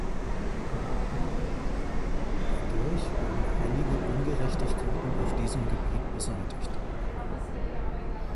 Dadurch wurden einige Ungerechtigkeiten auf diesem Gebiet beseitigt.